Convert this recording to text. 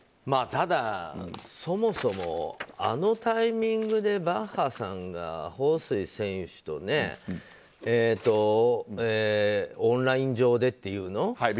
ただ、そもそもあのタイミングでバッハさんがホウ・スイ選手とオンライン上でっていうの？